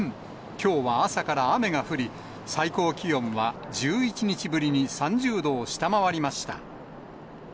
きょうは朝から雨が降り、最高気温は１１日ぶりに３０度を下回りました。